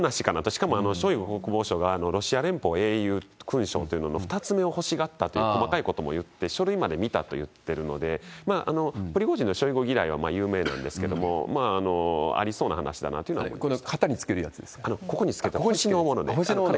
しかも、ショイグ国防相がロシア連邦英雄勲章というのの２つ目を欲しがったと、細かいことを書類まで見たと言ってるので、プリゴジンのショイグ嫌いは有名なんですけれども、ありそうな話でしたというのはありましたね。